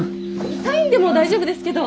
サインでも大丈夫ですけど。